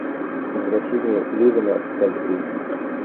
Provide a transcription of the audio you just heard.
Возвращение Левина с косьбы.